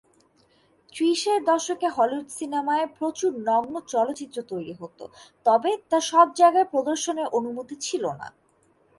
ত্রিশের দশকে হলিউড সিনেমায় প্রচুর নগ্ন চলচ্চিত্র তৈরি হত তবে তা সবজায়গায় প্রদর্শনের অনুমতি ছিলোনা।